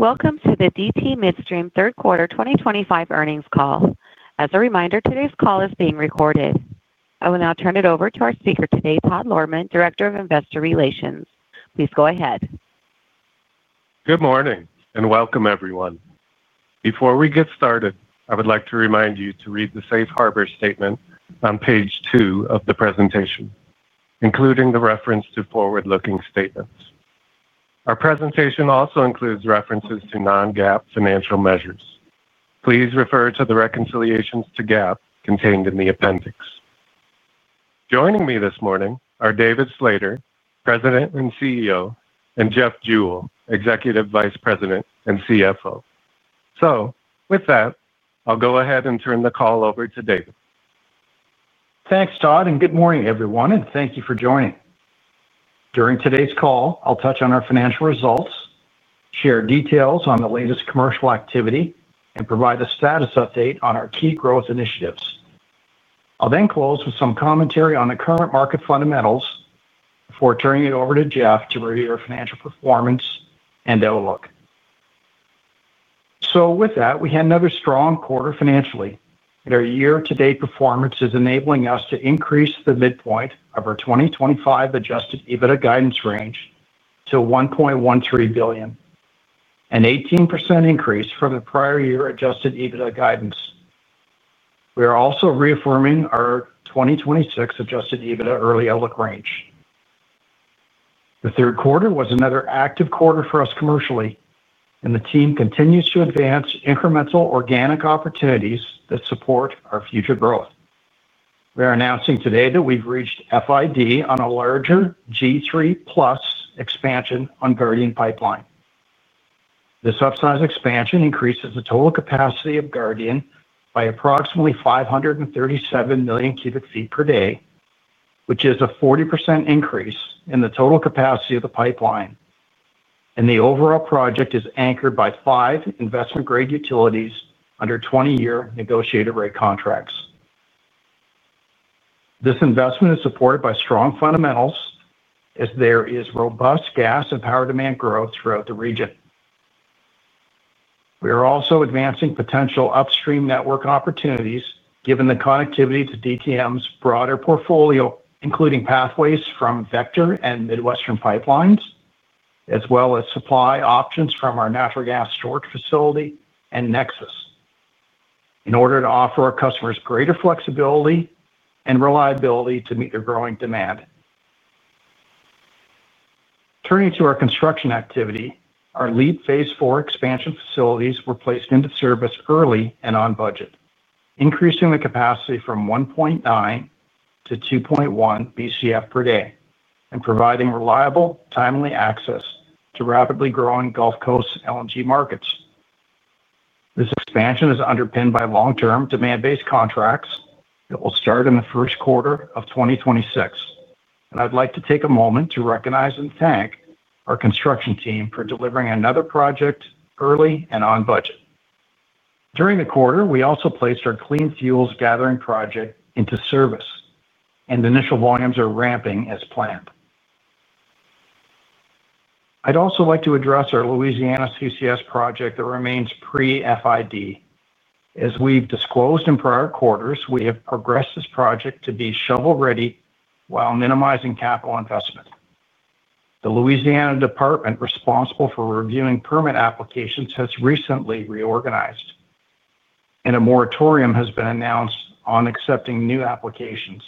Welcome to the DT Midstream third quarter 2025 earnings call. As a reminder, today's call is being recorded. I will now turn it over to our speaker today, Todd Lohrmann, Director of Investor Relations. Please go ahead. Good morning and welcome everyone. Before we get started, I would like to remind you to read the Safe Harbor statement on page two of the presentation, including the reference to forward-looking statements. Our presentation also includes references to non-GAAP financial measures. Please refer to the reconciliations to GAAP contained in the appendix. Joining me this morning are David Slater, President and CEO, and Jeff Jewell, Executive Vice President and CFO. With that, I'll go ahead. Turn the call over to David. Thanks Todd and good morning everyone and thank you for joining. During today's call, I'll touch on our financial results, share details on the latest commercial activity, and provide a status update on our key growth initiatives. I'll then close with some commentary on the current market fundamentals before turning it over to Jeff to review our financial performance and outlook. With that, we had another strong quarter financially and our year-to-date performance is enabling us to increase the midpoint of our 2025 adjusted EBITDA guidance range to $1.13 billion, an 18% increase from the prior year adjusted EBITDA guidance. We are also reaffirming our 2026 adjusted EBITDA early outlook range. The third quarter was another active quarter for us commercially and the team continues to advance incremental organic opportunities that support our future growth. We are announcing today that we've reached FID on a larger G3+ expansion on Guardian Pipeline. This upsize expansion increases the total capacity of Guardian by approximately 537 million cu ft per day, which is a 40% increase in the total capacity of the pipeline, and the overall project is anchored by five investment grade utilities under 20-year negotiated rate contracts. This investment is supported by strong fundamentals as there is robust gas and power demand growth throughout the region. We are also advancing potential upstream network opportunities given the connectivity to DTM's broader portfolio, including pathways from Vector and Midwestern Pipelines as well as supply options from our natural gas storage facility and NEXUS in order to offer our customers greater flexibility and reliability to meet their growing demand. Turning to our construction activity, our LEAP Phase 4 expansion facilities were placed into service early and on budget, increasing the capacity from 1.9 Bcf-2.1 Bcf per day and providing reliable, timely access to rapidly growing Gulf Coast LNG markets. This expansion is underpinned by long-term demand-based contracts. It will start in the first quarter of 2026 and I'd like to take a moment to recognize and thank our construction team for delivering another project early and on budget during the quarter. We also placed our clean fuels gathering project into service and initial volumes are ramping as planned. I'd also like to address our Louisiana CCS project that remains pre-FID. As we've disclosed in prior quarters, we have progressed this project to be shovel ready while minimizing capital investment. The Louisiana department responsible for reviewing permit applications has recently reorganized, and a moratorium has been announced on accepting new applications.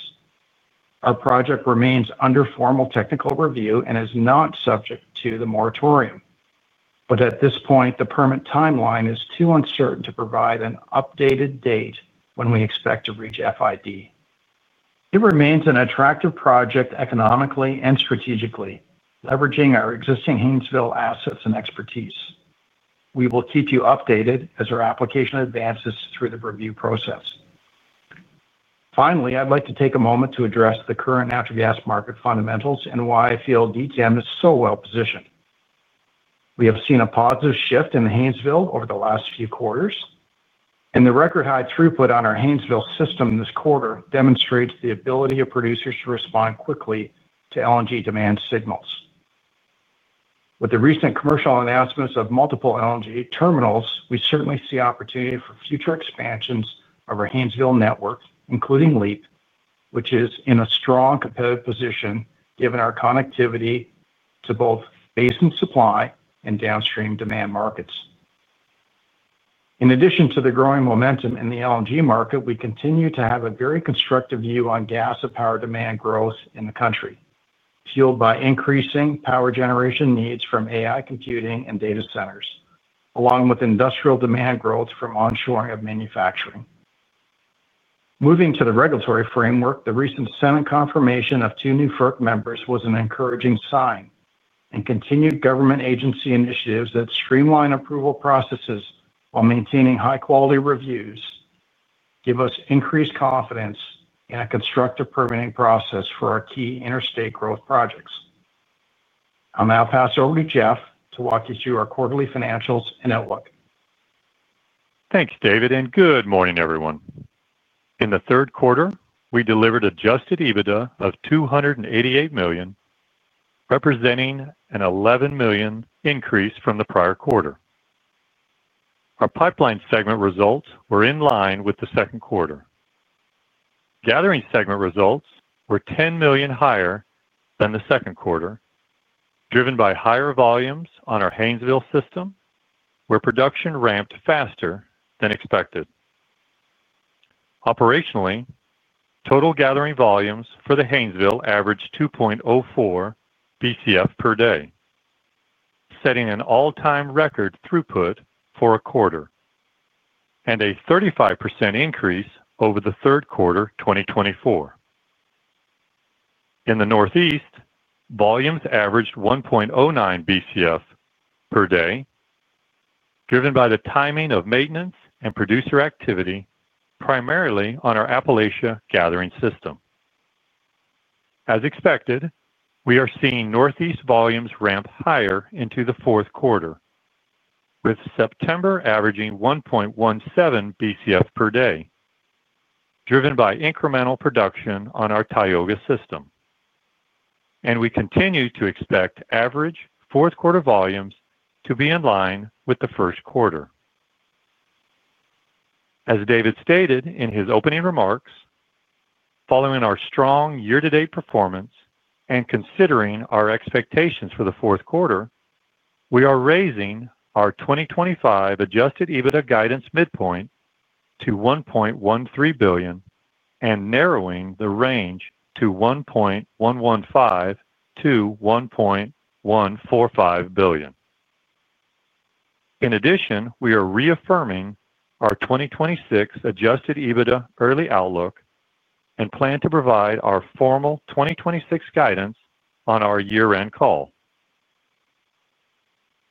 Our project remains under formal technical review and is not subject to the moratorium, but at this point the permit timeline is too uncertain to provide an updated date when we expect to reach FID. It remains an attractive project economically and strategically, leveraging our existing Haynesville assets and expertise. We will keep you updated as our application advances through the review process. Finally, I'd like to take a moment to address the current natural gas market fundamentals and why I feel DTM is so well positioned. We have seen a positive shift in Haynesville over the last few quarters, and the record high throughput on our Haynesville system this quarter demonstrates the ability of producers to respond quickly to LNG demand signals. With the recent commercial announcements of multiple LNG terminals, we certainly see opportunity for future expansions of our Haynesville network, including LEAP, which is in a strong competitive position given our connectivity to both basin supply and downstream demand markets. In addition to the growing momentum in the LNG market, we continue to have a very constructive view on gas and power demand growth in the country, fueled by increasing power generation needs from AI computing and data centers along with industrial demand growth from onshoring of manufacturing. Moving to the regulatory framework, the recent Senate confirmation of two new FERC members was an encouraging sign, and continued government agency initiatives that streamline approval processes while maintaining high quality reviews give us increased confidence in a constructive permitting process for our key interstate growth projects. I'll now pass over to Jeff to walk you through our quarterly financials and outlook. Thanks David and good morning everyone. In the third quarter we delivered adjusted EBITDA of $288 million, representing an $11 million increase from the prior quarter. Our pipeline segment results were in line with the second quarter. Gathering segment results were $10 million higher than the second quarter, driven by higher volumes on our Haynesville system where production ramped faster than expected. Operationally, total gathering volumes for the Haynesville averaged 2.04 Bcf per day, setting an all-time record throughput for a quarter and a 35% increase over the third quarter 2024. In the Northeast, volumes averaged 1.09 Bcf per day driven by the timing of maintenance and producer activity primarily on our Appalachia Gathering System. As expected, we are seeing Northeast volumes ramp higher into the fourth quarter with September averaging 1.17 Bcf per day driven by incremental production on our Tioga System, and we continue to expect average fourth quarter volumes to be in line with the first quarter. As David stated in his opening remarks, following our strong year-to-date performance and considering our expectations for the fourth quarter, we are raising our 2025 adjusted EBITDA guidance midpoint to $1.13 billion and narrowing the range to $1.115 billion-$1.145 billion. In addition, we are reaffirming our 2026 adjusted EBITDA early outlook and plan to provide our formal 2026 guidance on our year-end call.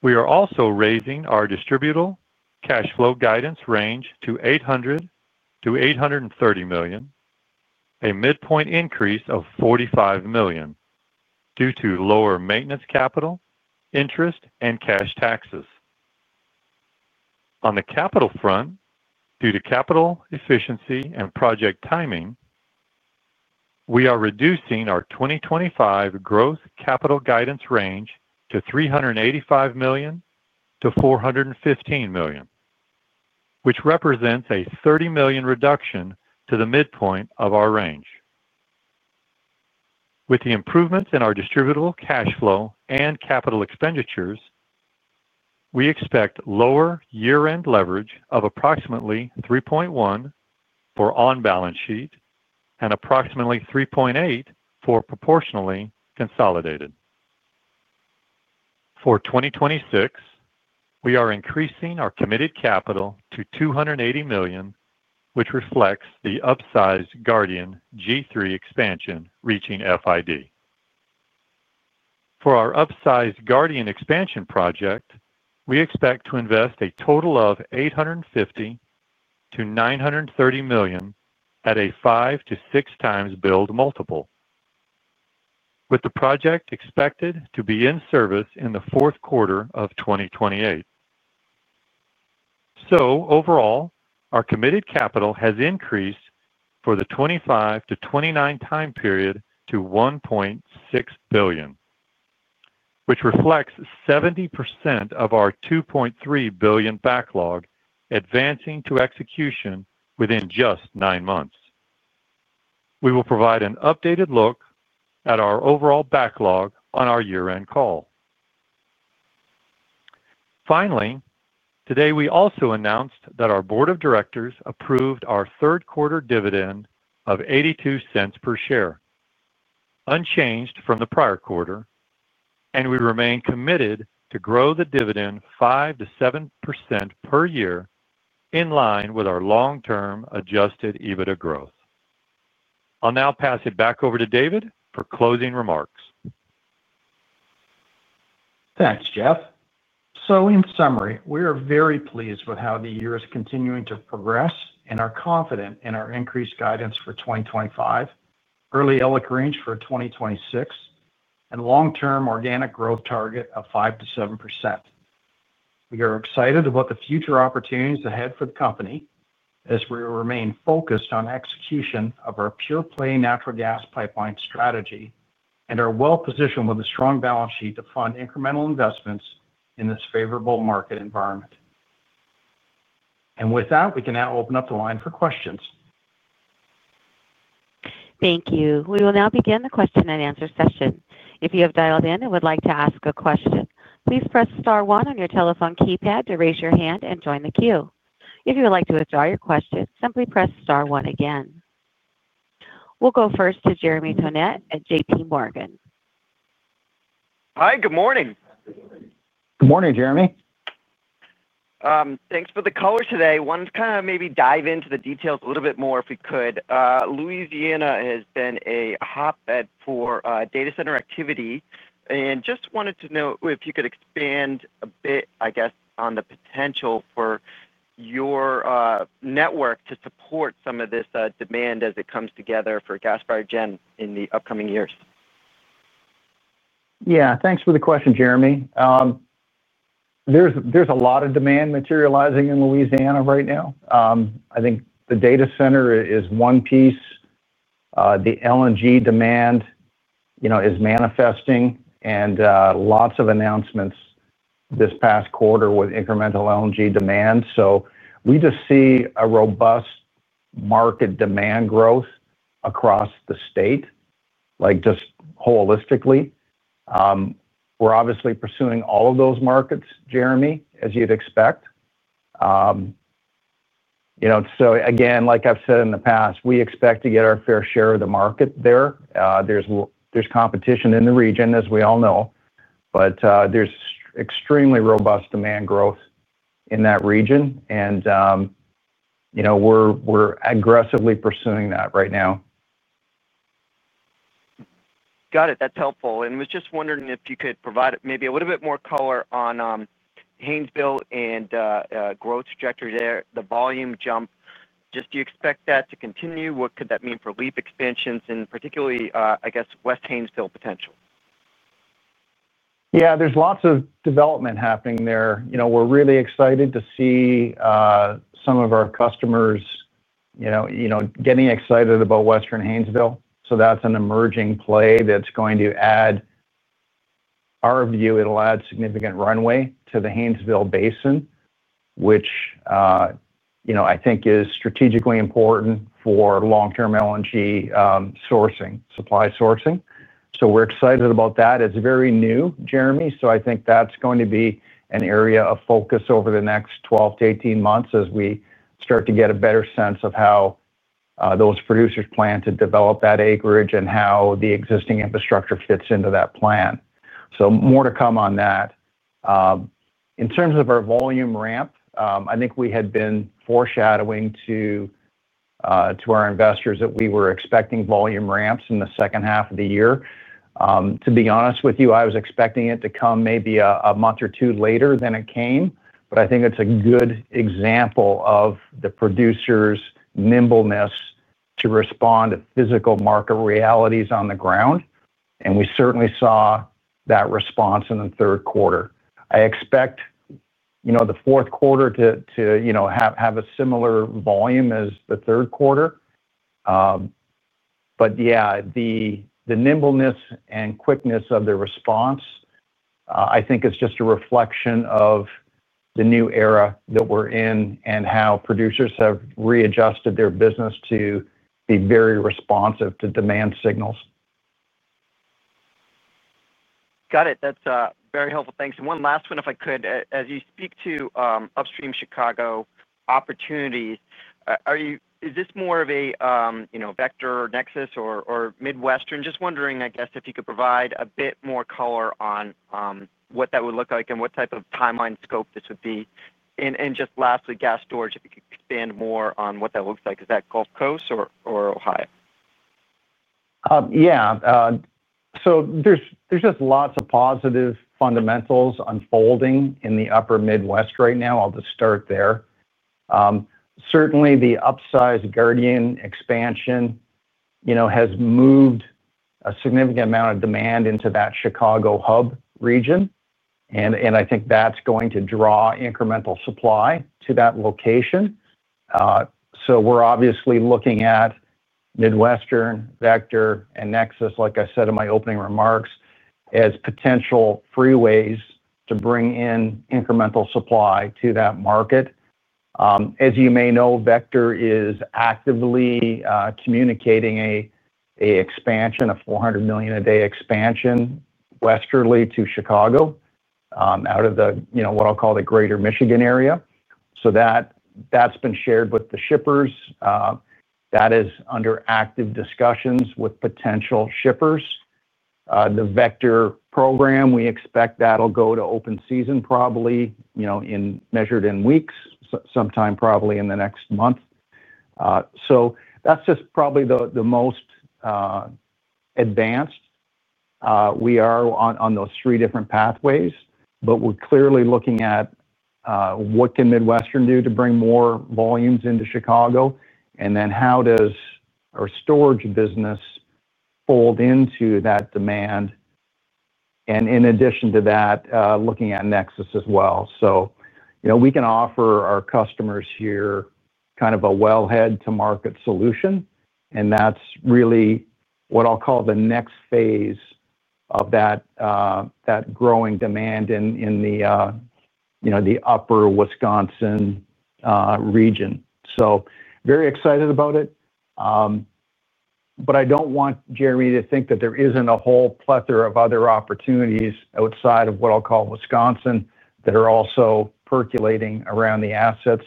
We are also raising our distributable cash flow guidance range to $800 million-$830 million, a midpoint increase of $45 million due to lower maintenance capital, interest, and cash taxes. On the capital front, due to capital efficiency and project timing, we are reducing our 2025 gross capital guidance range to $385 million-$415 million, which represents a $30 million reduction to the midpoint of our range. With the improvements in our distributable cash flow and capital expenditures, we expect lower year-end leverage of approximately 3.1 for on-balance sheet and approximately 3.8 for proportionally consolidated. For 2026, we are increasing our committed capital to $280 million, which reflects the upsized Guardian G3 expansion reaching FID. For our upsized Guardian expansion project, we expect to invest a total of $850 million-$930 million at a 5x-6x build multiple, with the project expected to be in service in the fourth quarter of 2028. Overall, our committed capital has increased for the 2025 to 2029 time period to $1.6 billion, which reflects 70% of our $2.3 billion backlog advancing to execution within just nine months. We will provide an updated look at our overall backlog on our year-end call. Finally, today we also announced that our Board of Directors approved our third quarter dividend of $0.82 per share, unchanged from the prior quarter, and we remain committed to grow the dividend 5%-7% per year in line with our long-term adjusted EBITDA growth. I'll now pass it back over to David for closing remarks. Thanks, Jeff. In summary, we are very pleased with how the year is continuing to progress and are confident in our increased guidance for 2025, early EBITDA range for 2026, and long-term organic growth target of 5%-7%. We are excited about the future opportunities ahead for the company as we remain focused on execution of our pure play natural gas pipeline strategy and are well positioned with a strong balance sheet to fund incremental investments in this favorable market environment. With that, we can now open up the line for questions. Thank you. We will now begin the question and answer session. If you have dialed in and would like to ask a question, please press Star one on your telephone keypad to raise your hand and join the queue. If you would like to withdraw your question, simply press Star one again. We'll go first to Jeremy Tonet at JPMorgan. Hi, good morning. Good morning, Jeremy. Thanks for the color today. Wanted to maybe dive into the details a little bit more if we could. Louisiana has been a hotbed for data center activity and just wanted to know if you could expand a bit I guess on the potential for your network to support some of this demand as it comes together for gas fired gen in the upcoming years. Yeah, thanks for the question, Jeremy. There's a lot of demand materializing in Louisiana right now. I think the data center is one piece. The LNG demand is manifesting and lots of announcements this past quarter with incremental LNG demand. We just see a robust market demand growth across the state. Like just holistically we're obviously pursuing all of those markets, Jeremy, as you'd expect. Like I've said in the past, we expect to get our fair share of the market there. There's competition in the region as we all know, but there's extremely robust demand growth in that region and we're aggressively pursuing that right now. Got it. That's helpful and was just wondering if you could provide maybe a little bit more color on Haynesville and growth trajectory there. The volume jump just do you expect that to continue? What could that mean for LEAP expansions and particularly I guess west Haynesville potential? Yeah, there's lots of development happening there. We're really excited to see some of our customers getting excited about western Haynesville. That's an emerging play that's going to add our view it'll add significant runway to the Haynesville Basin, which I think is strategically important for long term LNG sourcing, supply sourcing. We're excited about that. It's very new, Jeremy. I think that's going to be an area of focus over the next 12 to 18 months as we start to get a better sense of how those producers plan to develop that acreage and how the existing infrastructure fits into that plan. More to come on that in terms of our volume ramp, I think we had been foreshadowing to our investors that we were expecting volume ramps in the second half of the year. To be honest with you, I was expecting it to come maybe a month or two later than it came. I think it's a good example of the producers' nimbleness to respond to physical market realities on the ground. We certainly saw that response in the third quarter. I expect the fourth quarter to have a similar volume as the third quarter. Yeah, the nimbleness and quickness of the response I think is just a reflection of the new era that we're in and how producers have readjusted their business to be very responsive to demand signals. Got it. That's very helpful. Thanks. One last one, if I could, as you speak to upstream Chicago opportunities, is this more of a Vector, NEXUS, or Midwestern? Just wondering, I guess if you could provide a bit more color on what that would look like and what type of timeline scope this would be and just lastly gas storage, if you could expand more on what that looks like. Is that Gulf Coast or Ohio? Yeah, there's just lots of positive fundamentals unfolding in the upper Midwest right now. I'll just start there. Certainly, the upsized Guardian expansion has moved a significant amount of demand into that Chicago hub region and I think that's going to draw incremental supply to that location. We're obviously looking at Midwestern, Vector, and NEXUS, like I said in my opening remarks, as potential freeways to bring in incremental supply to that market. As you may know, Vector is actively communicating an expansion, a 400 million a day expansion westerly to Chicago out of the greater Michigan area. That has been shared with the shippers. That is under active discussions with potential shippers. The Vector program, we expect that will go to open season probably in weeks, sometime probably in the next month. That's just probably the most advanced we are on those three different pathways. We're clearly looking at what can Midwestern do to bring more volumes into Chicago and then how does our storage business fold into that demand and in addition to that looking at NEXUS as well. We can offer our customers here kind of a wellhead to market solution. That's really what I'll call the next phase of that growing demand in the upper Wisconsin region. Very excited about it. I don't want Jeremy to think that there isn't a whole plethora of other opportunities outside of what I'll call Wisconsin that are also percolating around the assets.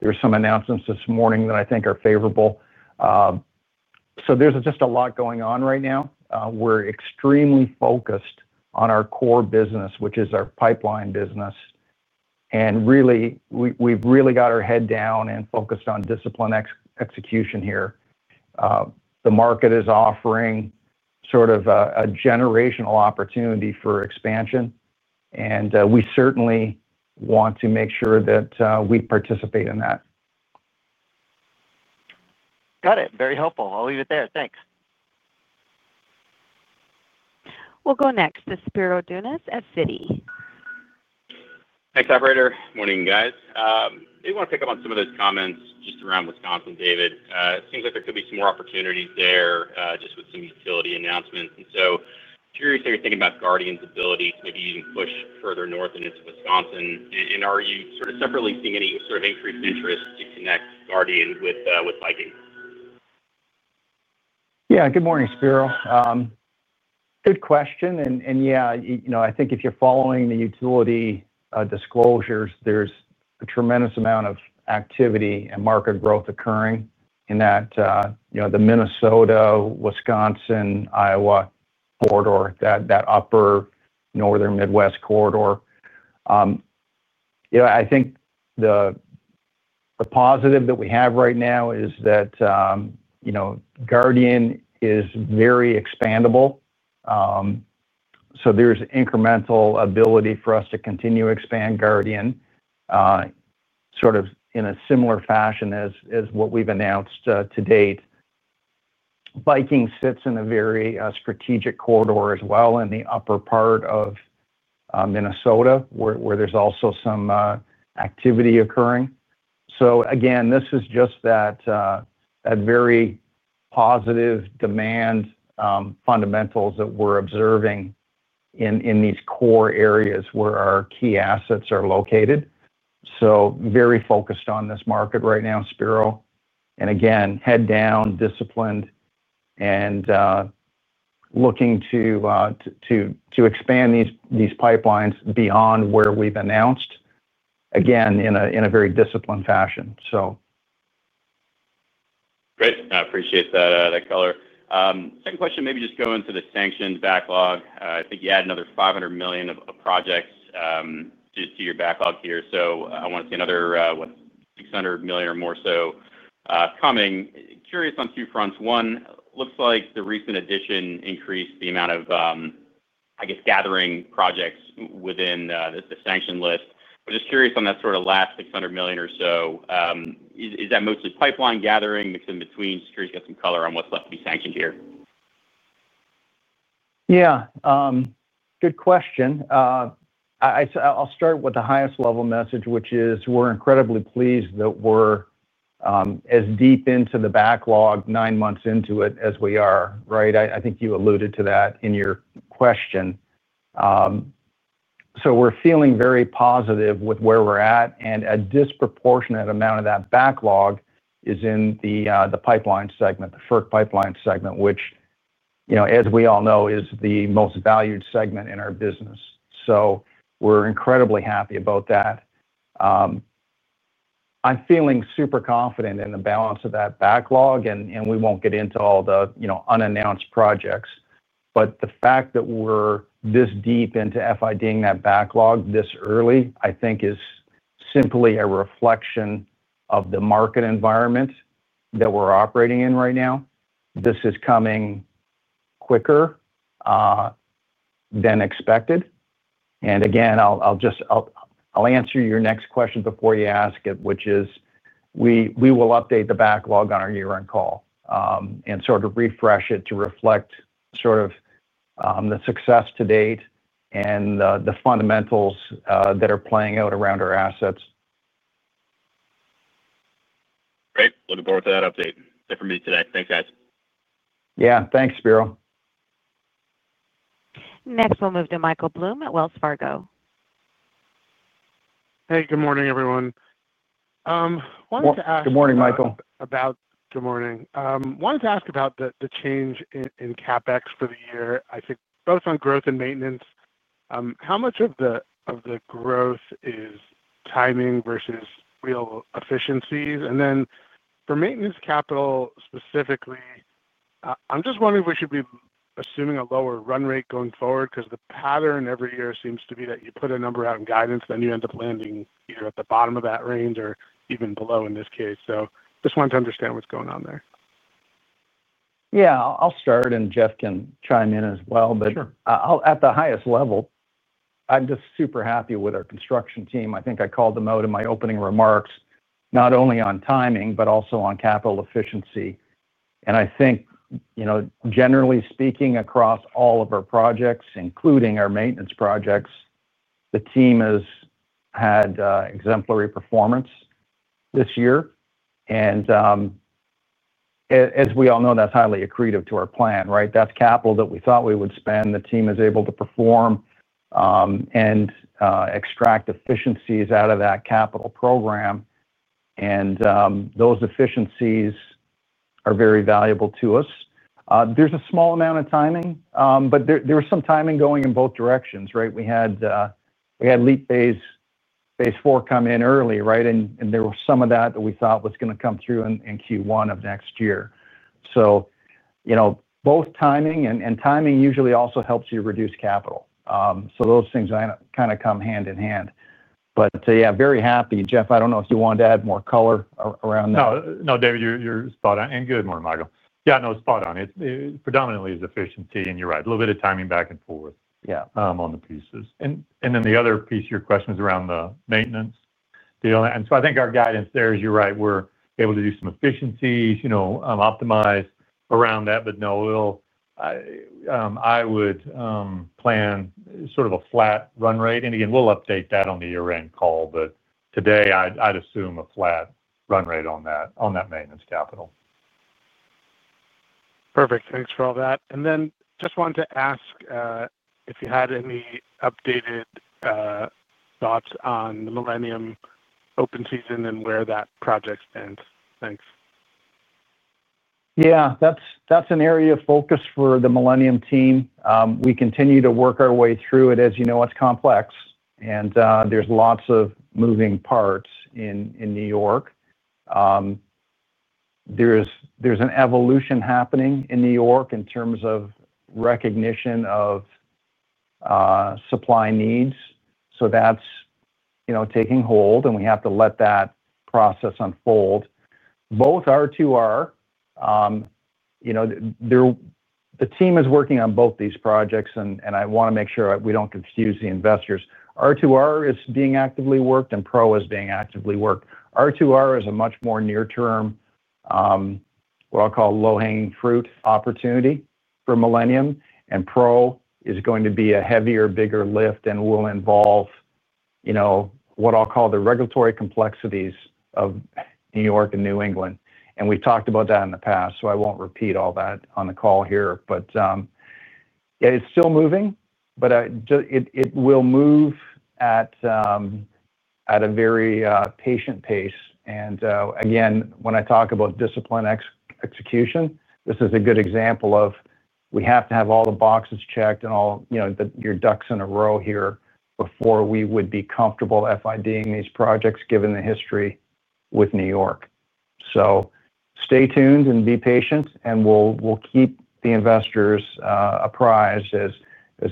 There are some announcements this morning that I think are favorable. There's just a lot going on right now. We're extremely focused on our core business, which is our pipeline business. We've really got our head down and focused on discipline execution here. The market is offering sort of a generational opportunity for expansion, and we certainly want to make sure that we participate in that. Got it. Very helpful. I'll leave it there, thanks. We'll go next to Spiro Dounis at Citi. Thanks, operator. Morning, guys. I want to pick up on some of those comments just around Wisconsin. David, it seems like there could be some more opportunities there just with some utility announcements. I'm curious how you're thinking about Guardian's ability to maybe even push further north and into Wisconsin. Are you sort of separately seeing any sort of increased interest? Guardian with Viking? Yeah. Good morning, Spiro. Good question. If you're following the utility disclosures, there's a tremendous amount of activity and market growth occurring in that Minnesota, Wisconsin, Iowa corridor, that upper northern Midwest corridor. The positive that we have right now is that Guardian is very expandable, so there's incremental ability for us to continue to expand Guardian in a similar fashion as what we've announced to date. Viking sits in a very strategic corridor as well in the upper part of Minnesota where there's also some activity occurring. This is just that very positive demand fundamentals that we're observing in these core areas where our key assets are located. Very focused on this market right now, Spiro. Head down, disciplined, and looking to expand these pipelines beyond where we've announced again in a very disciplined fashion. Great. I appreciate that color. Second question. Maybe just go into the sanctions backlog. I think you add another $500 million of projects to your backlog here. So I want to see another $600 million or more. Curious on two fronts. One, looks like the recent addition increased the amount of, I guess, gathering projects within the sanction list. I'm just curious on that sort of last $600 million or so. Is that mostly pipeline gathering mixed in between, color on what's left to be sanctioned here. Yeah, good question. I'll start with the highest level message, which is we're incredibly pleased that we're as deep into the backlog nine months into it as we are. Right. I think you alluded to that in your question. We're feeling very positive with where we're at. A disproportionate amount of that backlog is in the pipeline segment, the FERC pipeline segment, which, you know, as we all know, is the most valued segment in our business. We're incredibly happy about that. I'm feeling super confident in the balance of that backlog. We won't get into all the unannounced projects, but the fact that we're this deep into fiding that backlog this early I think is simply a reflection of the market environment that we're operating in right now. This is coming quicker than expected. I'll just answer your next question before you ask it, which is we will update the backlog on our year end call and sort of refresh it to reflect the success to date and the fundamentals that are playing out around our assets. Great. Looking forward to that update. That's for me today. Thanks, guys. Yeah, thanks, Spiro. Next, we'll move to Michael Blum at Wells Fargo. Hey, good morning, everyone. Good morning, Michael. Good morning. Wanted to ask about the change in CapEx for the year. I think both on growth and maintenance, how much of the growth is timing versus real efficiencies? For maintenance capital specifically, I'm just wondering if we should be assuming a lower run rate going forward, because the pattern every year seems to be that you put a number out in guidance, then you end up landing either at the bottom of that range or even below in this case. Just wanted to understand what's going on there. I'll start and Jeff can chime in as well. At the highest level, I'm just super happy with our construction team. I think I called them out in my opening remarks, not only on timing, but also on capital efficiency. I think generally speaking, across all of our projects, including our maintenance projects, the team has had exemplary performance this year. As we all know, that's highly accretive to our plan. That's capital that we thought we would spend. The team is able to perform and extract efficiencies out of that capital program, and those efficiencies are very valuable. To us, there's a small amount of timing, but there was some timing going in both directions. We had LEAP Phase 4 come in early, and there was some of that that we thought was going to come through in Q1 of next year. Both timing and timing usually also helps you reduce capital. Those things kind of come hand in hand. Very happy. Jeff, I don't know if you wanted to add more color around that. No, David, you're spot on. Good morning, Michael. Yeah, spot on. It predominantly is efficiency. You're right, a little bit of timing back and forth. Yeah. On the pieces. The other piece of your question is around the maintenance deal. I think our guidance there is you're right. We're able to do some efficiencies, optimize around that. I would plan sort of a flat run rate. We'll update that on the year end call. Today I'd assume a flat run rate on that. On that maintenance capital. Perfect. Thanks for all that. I wanted to ask if you had any updated thoughts on the Millennium open season and where that project stands. Thanks. Yeah, that's an area of focus for the Millennium team. We continue to work our way through it. As you know, it's complex, and there's lots of moving parts in New York. There's an evolution happening in New York in terms of recognition of supply needs. That's taking hold, and we have to let that process unfold. The team is working on both these projects, and I want to make sure we don't confuse the investors. R2R is being actively worked, and Pro is being actively worked. R2R is a much more near-term, what I'll call low-hanging fruit opportunity for Millennium, and Pro is going to be a heavier, bigger lift and will involve what I'll call the regulatory complexities of New York and New England. We talked about that in the past. I won't repeat all that on the call here. It's still moving, but it will move at a very patient pace. When I talk about discipline, execution, this is a good example of we have to have all the boxes checked and all your ducks in a row here before we would be comfortable FID-ing these projects given the history with New York. Stay tuned and be patient, and we'll keep the investors apprised as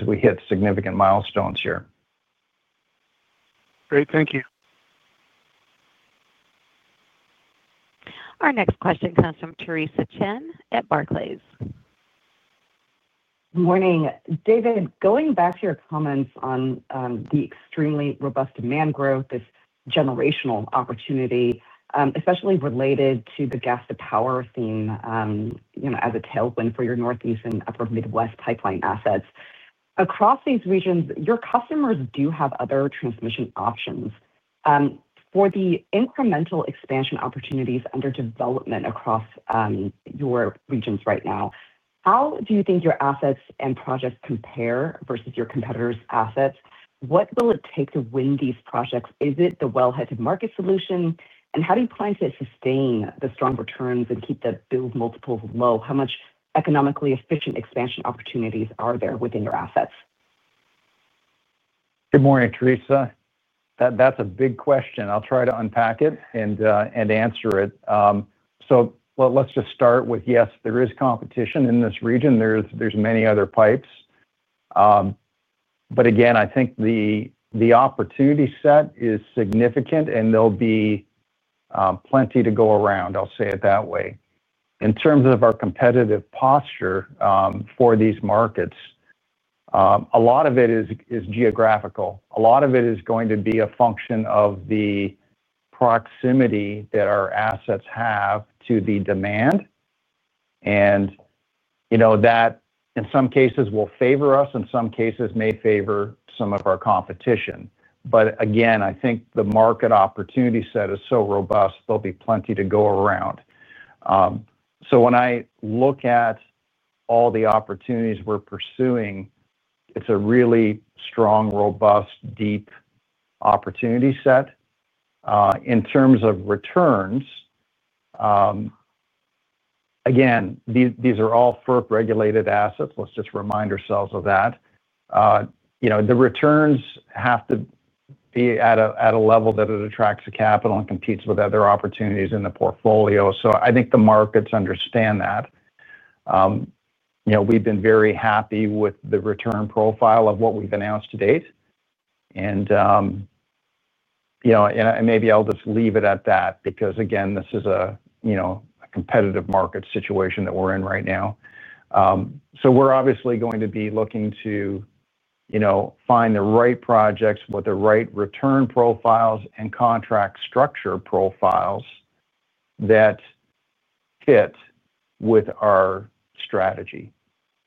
we hit significant milestones here. Great, thank you. Our next question comes from Theresa Chen at Barclays. Good morning, David. Going back to your comments on the extremely robust demand growth, this generational opportunity, especially related to the gas to power theme, you know, as a tailwind for your Northeast and upper Midwest pipeline assets across these regions. Your customers do have other transmission options for the incremental expansion opportunities under development across your regions right now. How do you think your assets and projects compare versus your competitors' assets? What will it take to win these projects? Is it the wellhead to market solution, and how do you plan to sustain the strong returns and keep the build multiples low? How much economically efficient expansion opportunities are there within your assets? Good morning, Theresa. That's a big question. I'll try to unpack it and answer it. Let's just start with yes, there is competition in this region, there's many other pipes, but again, I think the opportunity set is significant and there'll be plenty to go around. I'll say it that way. In terms of our competitive posture for these markets, a lot of it is geographical, a lot of it is going to be a function of the proximity that our assets have to the demand. You know that in some cases will favor us, in some cases may favor some of our competition. I think the market opportunity set is so robust there'll be plenty to go around. When I look at all the opportunities we're pursuing, it's a really strong, robust, deep opportunity set in terms of returns. These are all FERC regulated assets. Let's just remind ourselves of that. The returns have to be at a level that it attracts the capital and competes with other opportunities in the portfolio. I think the markets understand that we've been very happy with the return profile of what we've announced to date. Maybe I'll just leave it at that because this is a competitive market situation that we're in right now. We're obviously going to be looking to find the right projects with the right return profiles and contract structure profiles that fit with our strategy.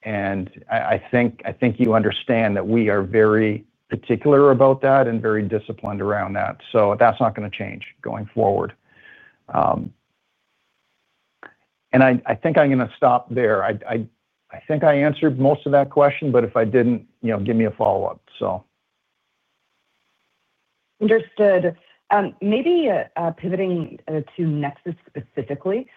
I think you understand that we are very particular about that and very disciplined around that. That's not going to change going forward. I think I'm going to stop there. I think I answered most of that question, but if I didn't, give me a follow up. Understood, maybe pivoting to NEXUS. Specifically,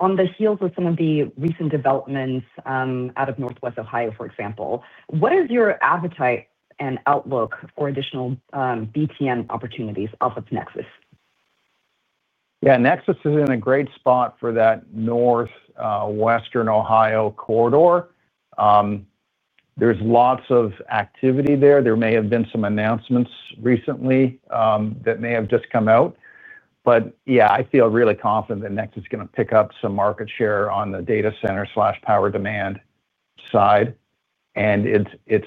on the heels of some of the recent developments out of Northwest Ohio, for example, what is your appetite for and outlook for additional BTN opportunities off of NEXUS? Yeah, NEXUS is in a great spot for that northwestern Ohio corridor. There's lots of activity there. There may have been some announcements recently that may have just come out, but yeah, I feel really confident that NEXUS is going to pick up some market share on the data center power demand side. It's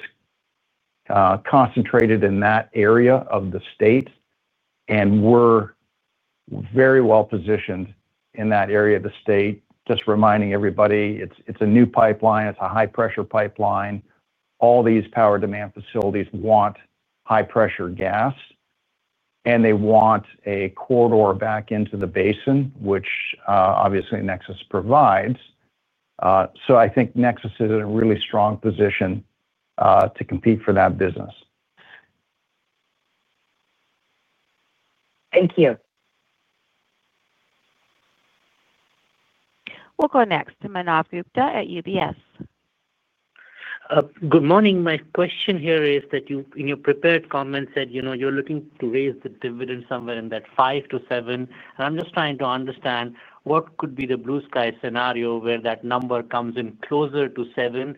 concentrated in that area of the state and we're very well positioned in that area of the state. Just reminding everybody, it's a new pipeline, it's a high pressure pipeline. All these power demand facilities want high pressure gas and they want a corridor back into the basin, which obviously NEXUS provides. I think NEXUS is in a really strong position to compete for that business. Thank you. We'll go next to Manav Gupta at UBS. Good morning. My question here is that you, in your prepared comments, said, you know, you're looking to raise the dividend somewhere in that 5%-7%. I'm just trying to understand what could be the blue sky scenario where that number comes in closer to 7%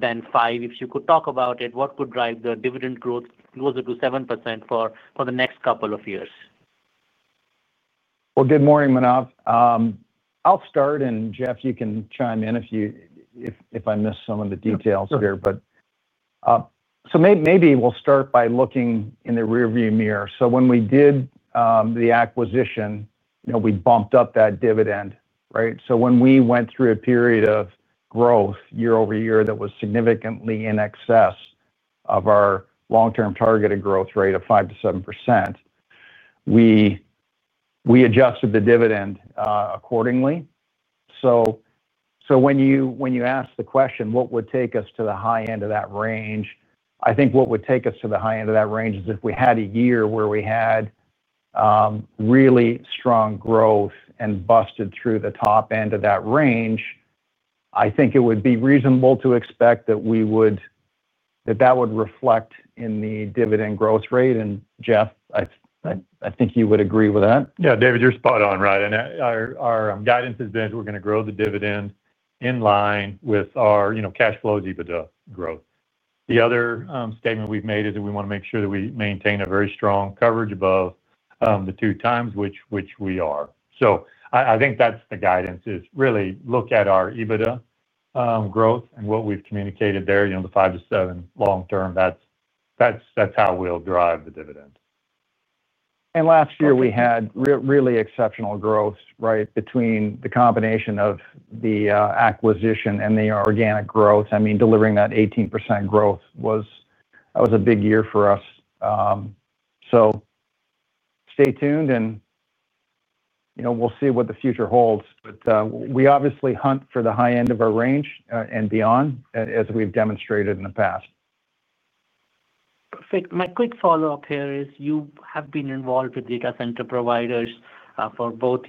than 5%. If you could talk about it, what could drive the dividend growth closer to 7% for the next couple of years. Good morning, Manav. I'll start and Jeff, you can chime in if I miss some of the details here. Maybe we'll start by looking in the rearview mirror. When we did the acquisition, we bumped up that dividend, right? When we went through a period of growth year over year that was significantly in excess of our long-term targeted growth rate of 5%-7%, we adjusted the dividend accordingly. When you ask the question what would take us to the high end of that range, I think what would take us to the high end of that range is if we had a year where we had really strong growth and busted through the top end of that range. I think it would be reasonable to expect that would reflect in the dividend growth rate. Jeff, I think you would agree with that. Yeah, David, you're spot on. Right. Our guidance has been we're going to grow the dividend in line with our cash flows, EBITDA growth. The other statement we've made is that we want to make sure that we maintain a very strong coverage above the two times, which we are. I think that's the guidance, really look at our EBITDA growth and what we've communicated there, you know, the 5%-7%. Long term, that's how we'll drive the dividend. Last year we had really exceptional growth right between the combination of the acquisition and the organic growth. Delivering that 18% growth was a big year for us. Stay tuned and we'll see what the future holds. We obviously hunt for the high end of our range and beyond, as we've demonstrated in the past. My quick follow up here is you have been involved with data center providers for both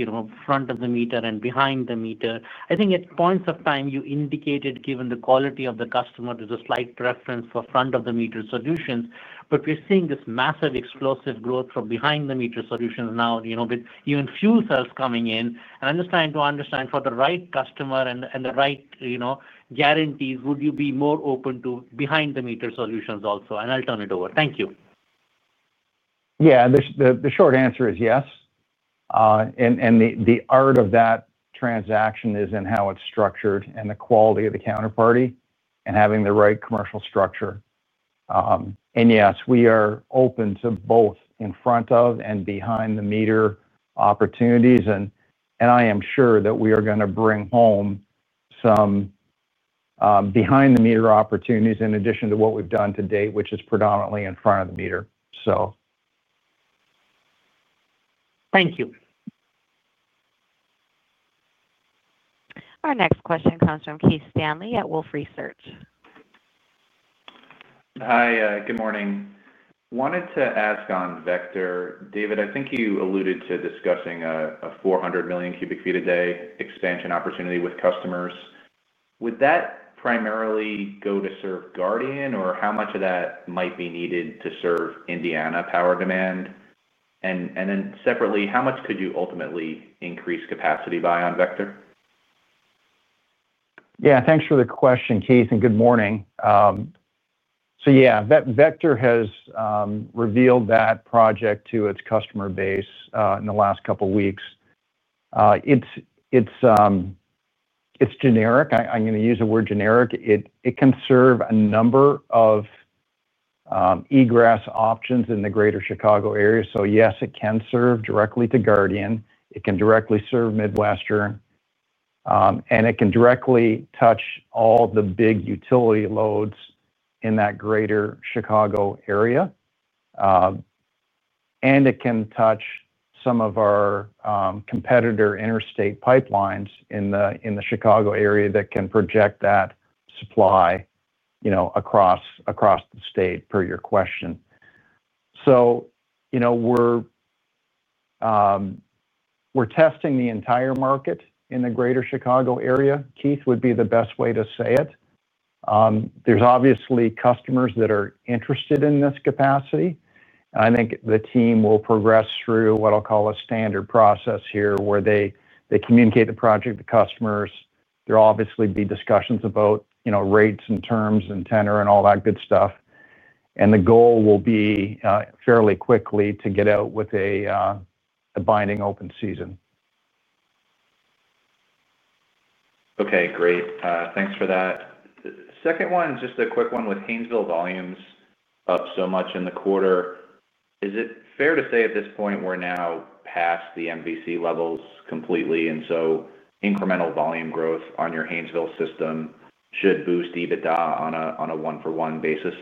front-of-the-meter and behind-the-meter. I think at points of time you indicated given the quality of the customer, there's a slight preference for front-of-the-meter solutions. We're seeing this massive explosive growth from behind-the-meter solutions now with even fuel cells coming in. I'm just trying to understand, for the right customer and the right guarantees, would you be more open to behind-the-meter solutions also? I'll turn it over. Thank you. The short answer is yes. The art of that transaction is in how it's structured and the quality of the counterparty and having the right commercial structure. Yes, we are open to both in front-of and behind-the-meter opportunities. I am sure that we are going to bring home some behind-the-meter opportunities in addition to what we've done to date, which is predominantly in front-of-the-meter. So. Thank you. Our next question comes from Keith Stanley at Wolfe Research. Hi, good morning. Wanted to ask on Vector, David, I think you alluded to discussing a 400 million cu ft a day expansion opportunity with customers. Would that primarily go to serve Guardian or how much of that might be needed to serve Indiana power demand? Separately, how much could you ultimately increase capacity by on Vector? Yeah, thanks for the question, Keith, and good morning. Vector has revealed that project to its customer base in the last couple weeks. I'm going to use the word generic. It can serve a number of egress options in the greater Chicago area. Yes, it can serve directly to Guardian, it can directly serve Midwestern, and it can directly touch all the big utility loads in that greater Chicago area. It can touch some of our competitor interstate pipelines in the Chicago area that can project that supply across the state, per your question. We're testing the entire market in the greater Chicago area, Keith, would be the best way to say it. There are obviously customers that are interested in this capacity. I think the team will progress through what I'll call a standard process here where they communicate the project to customers. There will obviously be discussions about rates and terms and tenor and all that good stuff. The goal will be fairly quickly to get out with a binding open season. Okay, great. Thanks for that second one. Just a quick one. With Haynesville volumes up so much in the quarter, is it fair to say at this point we're now past the MVC levels completely, and so incremental volume growth on your Haynesville system should boost EBITDA on a one for one basis?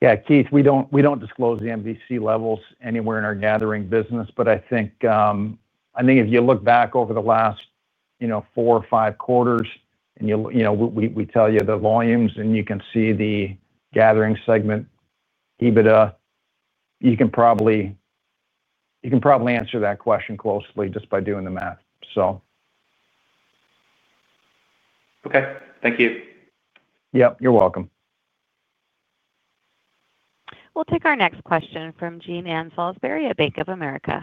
Yeah, Keith, we don't disclose the MVC levels anywhere in our gathering business, but I think if you look back over the last four or five quarters and we tell you the volumes and you can see the gathering segment EBITDA, you can probably answer that question closely just by doing the math. Okay, thank you. You're welcome. We'll take our next question from Jean Ann Salisbury at Bank of America.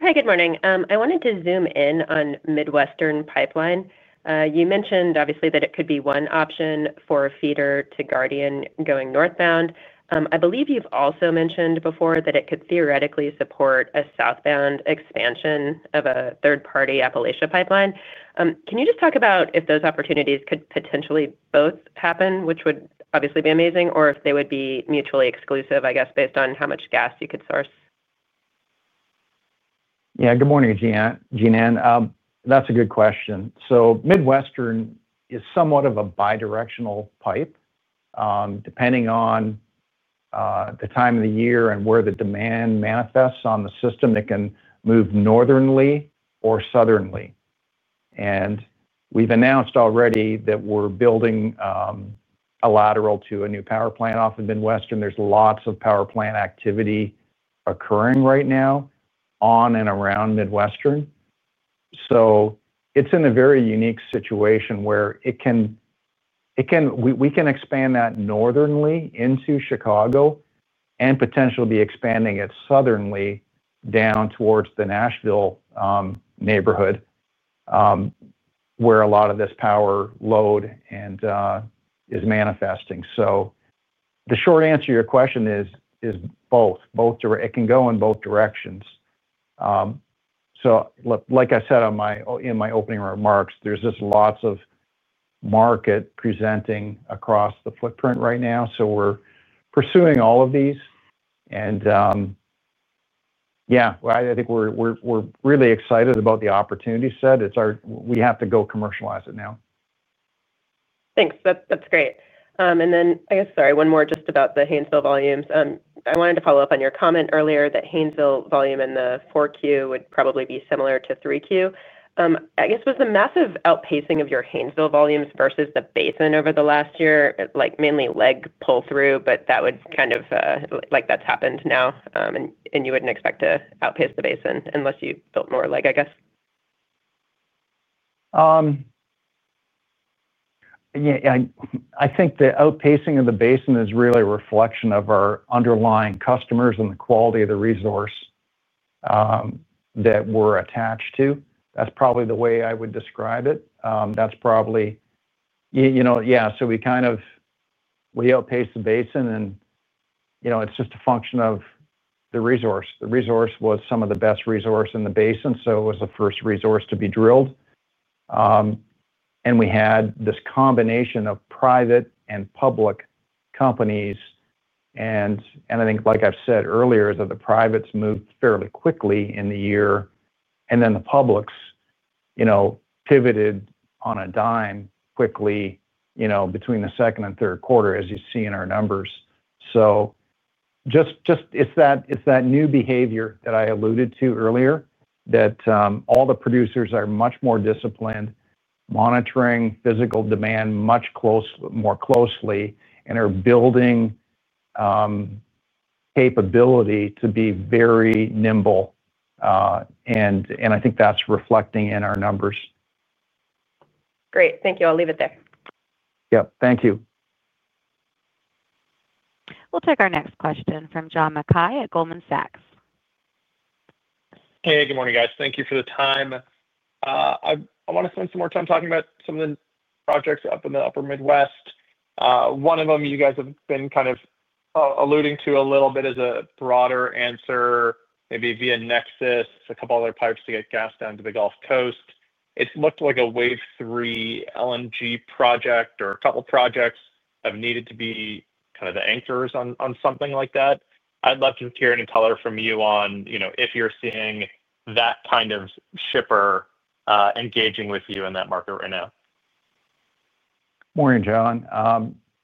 Hi, good morning. I wanted to zoom in on Midwestern pipeline. You mentioned obviously that it could be one option for feeder to Guardian going northbound. I believe you've also mentioned before that it could theoretically support a southbound expansion of a third party Appalachia pipeline. Can you just talk about if those opportunities could potentially both happen, which would obviously be amazing, or if they would be mutually exclusive, I guess, based on how much gas you could source. Yeah. Good morning, Jean Ann. That's a good question. Midwestern is somewhat of a bi-directional pipe. Depending on the time of the year and where the demand manifests on the system, it can move northerly or southerly. We've announced already that we're building a lateral to a new power plant off of Midwestern. There's lots of power plant activity occurring right now on and around Midwestern. It's in a very unique situation where we can expand that northerly into Chicago and potentially be expanding it southerly down towards the Nashville neighborhood where a lot of this power load is manifesting. The short answer to your question is both. It can go in both directions. Like I said in my opening remarks, there's just lots of market presenting across the footprint right now. We're pursuing all of these. I think we're really excited about the opportunity set. We have to go commercialize it now. Thanks, that's great. I guess, sorry, one more, just about the Haynesville volumes. I wanted to follow up on your comment earlier that Haynesville volume in the 4Q would probably be similar to 3Q. I guess was the massive outpacing of your Haynesville volumes versus the Basin over the last year mainly leg pull through. That would kind of like that's happened now, and you wouldn't expect to outpace the Basin unless you built more, I guess. I think the outpacing of the basin is really a reflection of our underlying customers and the quality of the resource that we're attached to. That's probably the way I would describe it. We outpace the basin and it's just a function of the resource. The resource was some of the best resource in the basin. It was the first resource to be drilled. We had this combination of private and public companies. Like I've said earlier, the privates moved fairly quickly in the year and then the publics pivoted on a dime quickly between the second and third quarter, as you see in our numbers. It's that new behavior that I alluded to earlier, that all the producers are much more disciplined, monitoring physical demand much more closely and are building capability to be very nimble. I think that's reflecting in our numbers. Great, thank you. I'll leave it there. Yep. Thank you. We'll take our next question from John Mackay at Goldman Sachs. Hey, good morning, guys. Thank you for the time. I want to spend some more time talking about some of the projects up in the upper Midwest. One of them you guys have been kind of alluding to it a little bit as a broader answer, maybe via NEXUS, a couple other pipes to get gas down to the Gulf Coast. It looked like a wave 3 LNG project or a couple projects have needed to be kind of the anchors on something like that. I'd love to hear any color from you on if you're seeing that kind of shipper engaging with you in that market right now. Morning, John.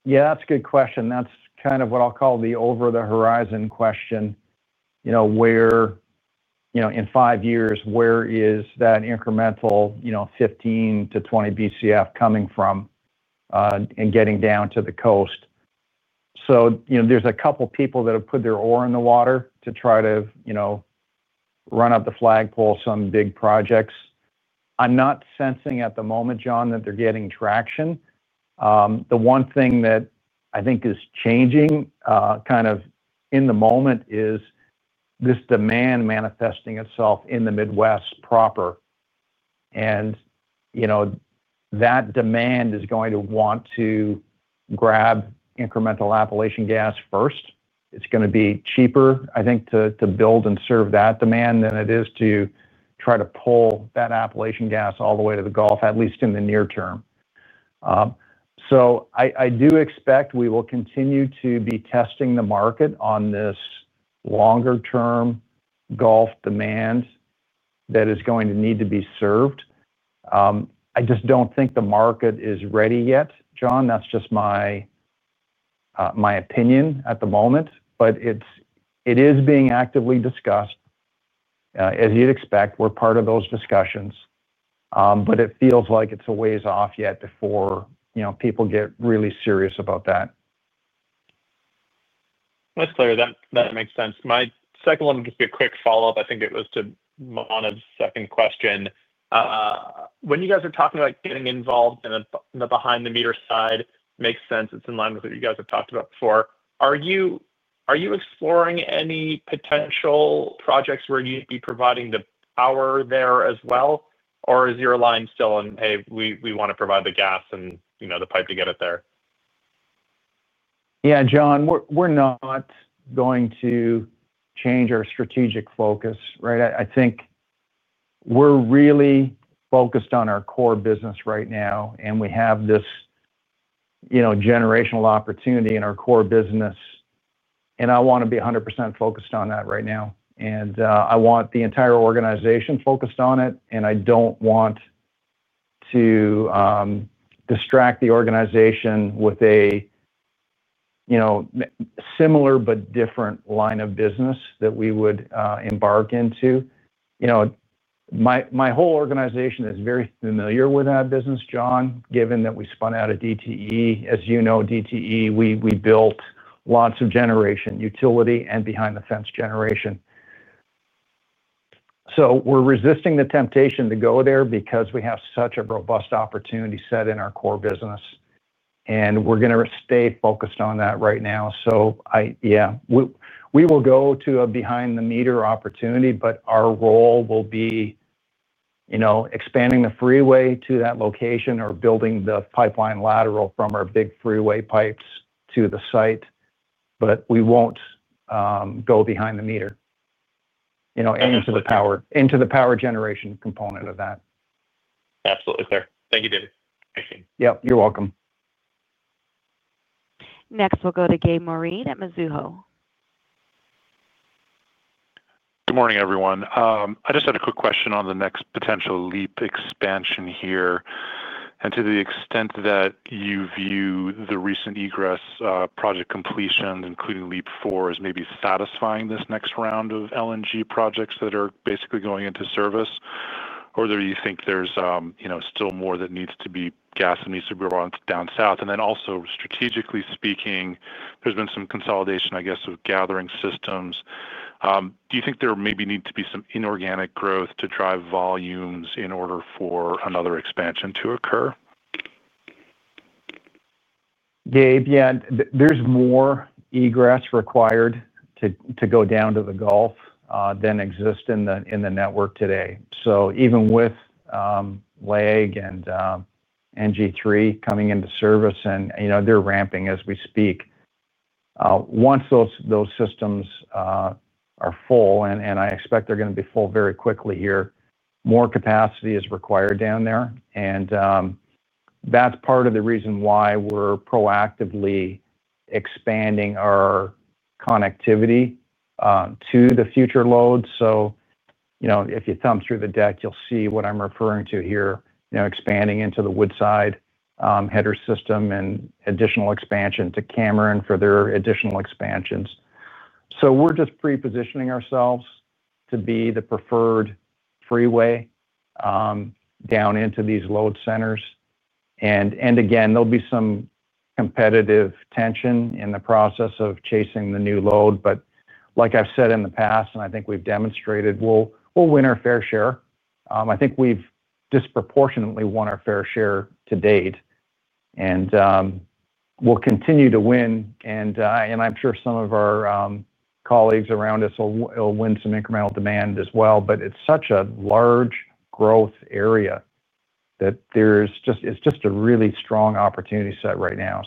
Yeah, that's a good question. That's kind of what I'll call the over the horizon question. Where, you know, in five years, where is that incremental, you know, 15 Bcf-20 Bcf coming from and getting down to the coast. There are a couple people that have put their oar in the water to try to run up the flagpole. Some big projects. I'm not sensing at the moment, John, that they're getting traction. The one thing that I think is changing in the moment is this demand manifesting itself in the Midwest proper. That demand is going to want to grab incremental Appalachian gas first. It's going to be cheaper I think to build and serve that demand than it is to try to pull that Appalachian gas all the way to the Gulf, at least in the near term. I do expect we will continue to be testing the market on this longer term Gulf demand that is going to need to be served. I just don't think the market is ready yet, John. That's just my opinion at the moment. It is being actively discussed, as you'd expect. We're part of those discussions, but it feels like it's a ways off yet before people get really serious about that. That's clear that that makes sense. My second one would just be a quick follow-up. I think it was to Manav's second question. When you guys are talking about getting involved in the behind-the-meter side. Makes sense, it's in line with what you guys have talked about before. Are you exploring any potential projects where you'd be providing the power there? Is your line still on? Hey, we want to provide the gas. You know, the pipe to get it there. John, we're not going to change our strategic focus, right. I think we're really focused on our core business right now and we have this generational opportunity in our core business. I want to be 100% focused on that right now and I want the entire organization focused on it. I don't want to distract the organization with a similar but different line of business that we would embark into. My whole organization is very familiar with that business, John. Given that we spun out of DTE, as you know, DTE, we built lots of generation, utility and behind the fence generation. We're resisting the temptation to go there because we have such a robust opportunity set in our core business and we're going to stay focused on that right now. We will go to a behind-the-meter opportunity, but our role will be expanding the freeway to that location or building the pipeline lateral from our big three freeway pipes to the site. We won't go behind the meter into the power, into the power generation component of that. Absolutely. Thank you, David. Yep, you're welcome. Next we'll go to Gabe Moreen at Mizuho. Good morning everyone. I just had a quick question on the next potential LEAP expansion here. To the extent that you view the recent egress project completion, including LEAP 4. Is maybe satisfying this next round of LNG projects that are basically going into service, or do you think there's still more that needs to be gas and needs to be brought down south? Also, strategically speaking, there's been some consolidation, I guess, of gathering systems. Do you think there maybe need to be some inorganic growth to drive volumes in order for another expansion to occur? Yeah, there's more egress required to go down to the Gulf Coast than exists in the network today. Even with LEG and NG3 coming into service and they're ramping as we speak, once those systems are full, and I expect they're going to be full very quickly here, more capacity is required down there. That is part of the reason why we're proactively expanding our connectivity to the future load. If you thumb through the deck, you'll see what I'm referring to here. Expanding into the Woodside header system and additional expansion to Cameron for their additional expansions. We're just pre-positioning ourselves to be the preferred freeway down into these load centers. There will be some competitive tension in the process of chasing the new load. Like I've said in the past, and I think we've demonstrated, we'll win our fair share. I think we've disproportionately won our fair share to date, and we'll continue to win, and I'm sure some of our colleagues around us will win some incremental demand as well. It's such a large growth area that there's just a really strong opportunity set right now.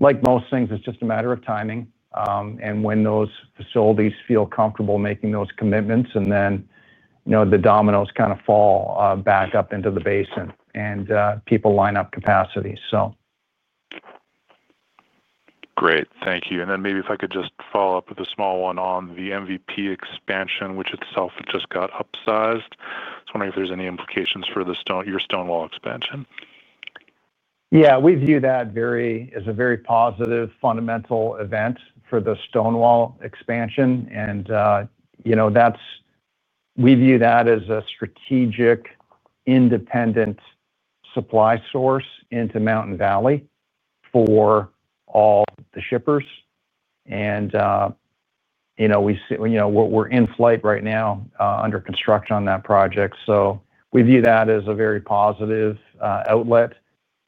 Like most things, it's just a matter of timing and when those facilities feel comfortable making those commitments. The dominoes kind of fall back up into the basin and people line up capacity. Great, thank you. Maybe if I could just follow up with a small one on the MVP expansion, which itself just got upsized. I was wondering if there's any implications for the Stonewall expansion. Yeah, we view that as a very positive fundamental event for the Stonewall expansion. We view that as a strategic independent supply source into Mountain Valley for all the shippers. We're in flight right now under construction on that project. We view that as a very positive outlet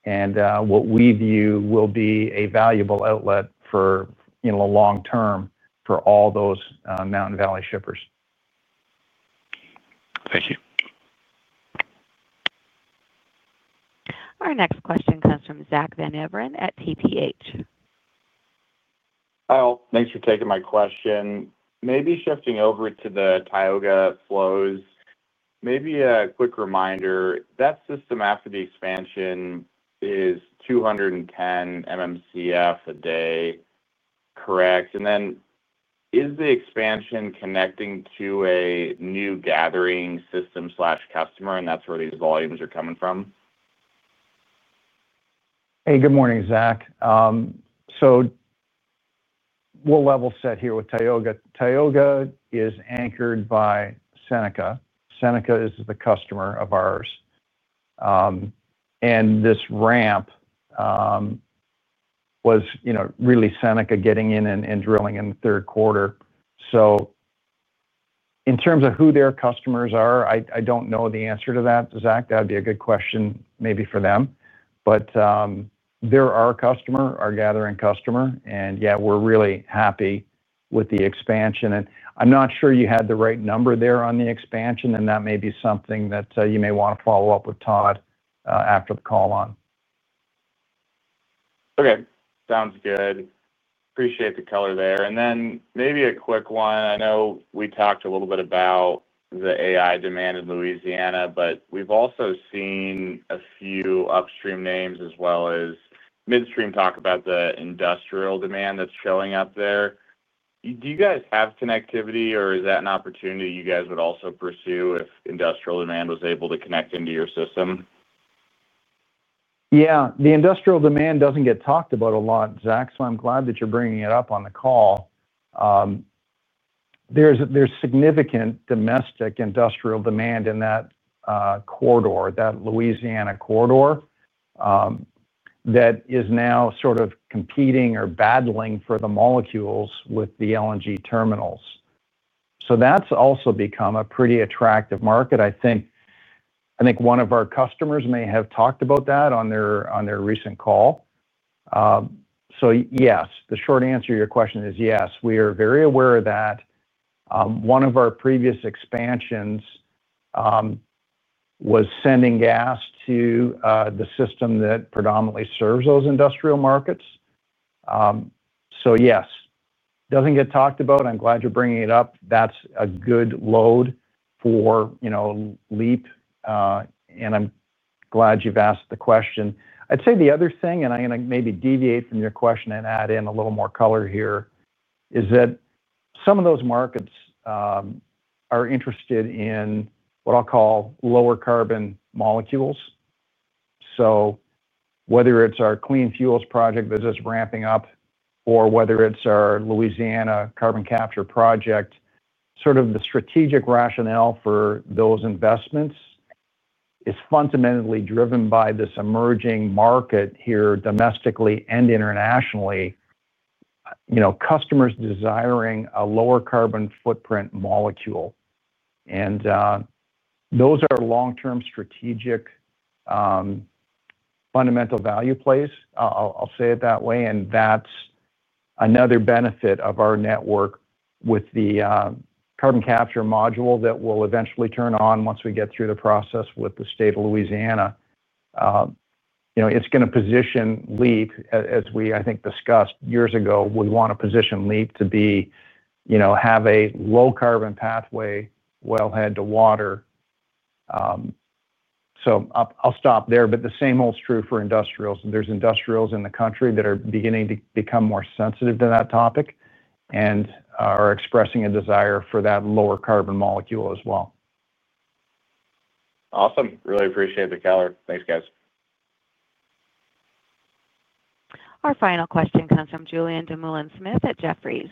and what we view will be a valuable outlet long term for all those Mountain Valley shippers. Thank you. Our next question comes from Zack Van Everen at TPH. Thanks for taking my question. Maybe shifting over to the Tioga flows. Maybe a quick reminder, that system after the expansion is 210 MMcf a day, correct? Is the expansion connecting to a new gathering system customer, and that's where these volumes are coming from? Hey, good morning, Zack. We'll level set here with Tioga. Tioga is anchored by Seneca. Seneca is the customer of ours, and this ramp was really Seneca getting in and drilling in the third quarter. In terms of who their customers are, I don't know the answer to that, Zack. That'd be a good question maybe for them, but they're our customer, our gathering customer. We're really happy with the expansion. I'm not sure you had the right number there on the expansion. That may be something that you may want to follow up with Todd after the call on. Okay, sounds good. Appreciate the color there. Maybe a quick one. I know we talked a little bit about the AI demand in Louisiana, we've also seen a few upstream names as well as midstream, talk about the industrial demand that's showing up there. Do you guys have connectivity, or is that an opportunity you guys would also pursue if industrial demand was able to connect into your system? Yeah, the industrial demand doesn't get talked about a lot, Zack, so I'm glad that you're bringing it up on the call. There's significant domestic industrial demand in that corridor, that Louisiana corridor that is now sort of competing or battling for the molecules with the LNG terminals. That's also become a pretty attractive market. I think one of our customers may have talked about that on their recent call. Yes, the short answer to your question is yes, we are very aware that one of our previous expansions was sending gas to the system that predominantly serves those industrial markets. Yes, it doesn't get talked about. I'm glad you're bringing it up. That's a good load for LEAP, and I'm glad you've asked the question. I'd say the other thing, and I'm going to maybe deviate from your question and add in a little more color here, is that some of those markets are interested in what I'll call lower carbon molecules. Whether it's our clean fuels gathering project that is ramping up or our Louisiana carbon capture and storage project, the strategic rationale for those investments is fundamentally driven by this emerging market here, domestically and internationally. Customers are desiring a lower carbon footprint molecule. Those are long term, strategic, fundamental value plays, I'll say it that way. That's another benefit of our network with the carbon capture and storage module that will eventually turn on once we get through the process with the state of Louisiana. It's going to position LEAP as we, I think, discussed years ago. We want to position LEAP to have a low carbon pathway. Head to water, so I'll stop there. The same holds true for industrials. There are industrials in the country that are beginning to become more sensitive to that topic and are expressing a desire for that lower carbon molecule as well. Awesome. Really appreciate the caller. Thanks, guys. Our final question comes from Julian Dumoulin-Smith at Jefferies.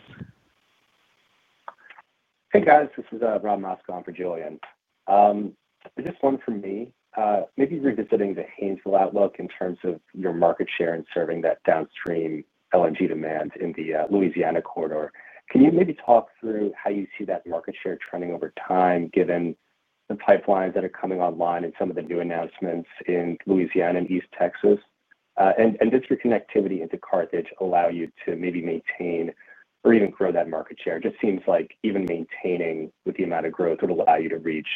Hey guys, this is Rob Mosca for Julian. Just one for me. Maybe revisiting the Haynesville outlook in terms of your market share and serving that downstream LNG demand in the Louisiana corridor. Can you maybe talk through how you see that market share trending over time given the pipelines that are coming online and some of the new announcements in Louisiana and East Texas? Does your connectivity into Carthage allow you to maybe maintain or even grow that market share? It just seems like even maintaining with the amount of growth, it will allow you to reach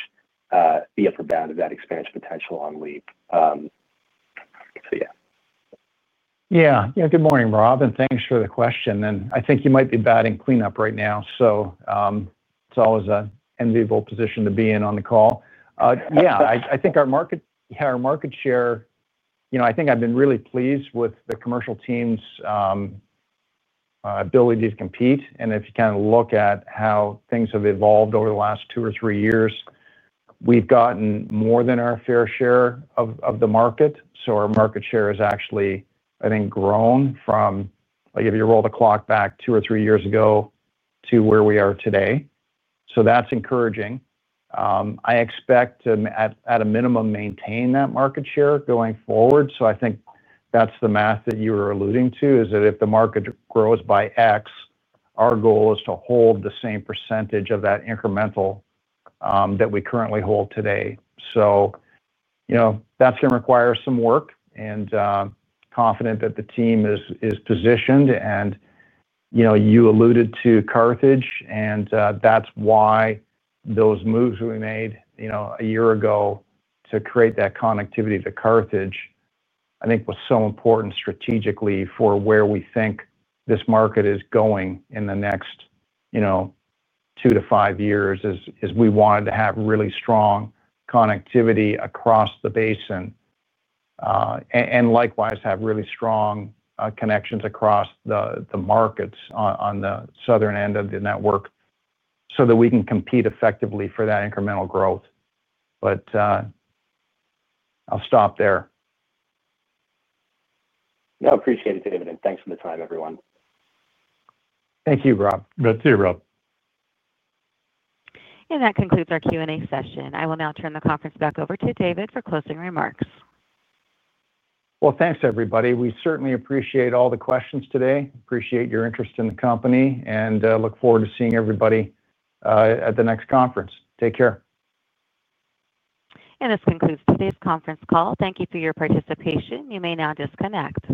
the upper bound of that expansion potential on LEAP. Good morning, Rob, and thanks for the question. I think you might be batting cleanup right now, so it's always an enviable position to be in on the call. I think our market share, you know, I think I've been really pleased with the commercial team's ability to compete. If you kind of look at how things have evolved over the last two or three years, we've gotten more than our fair share of the market. Our market share has actually, I think, grown from like, if you roll the clock back two or three years ago to where we are today. That's encouraging. I expect at a minimum to maintain that market share going forward. I think that's the math that you were alluding to, that if the market grows by X, our goal is to hold the same percentage of that incremental that we currently hold today. That's going to require some work and I'm confident that the team is positioned. You alluded to Carthage and that's why those moves we made a year ago to create that connectivity to Carthage, I think, were so important strategically for where we think this market is going in the next two to five years. We wanted to have really strong connectivity across the basin and likewise have really strong connections across the markets on the southern end of the network so that we can compete effectively for that incremental growth. I'll stop there. No, appreciate it, David. Thanks for the time, everyone. Thank you, Rob. Good to you, Rob. That concludes our Q&A session. I will now turn the conference back over to David for closing remarks. Thank you, everybody. We certainly appreciate all the questions today, appreciate your interest in the company, and look forward to seeing everybody at the next conference. Take care. This concludes today's conference call. Thank you for your participation. You may now disconnect.